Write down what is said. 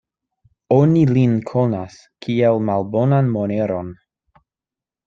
Oni lin konas, kiel malbonan moneron.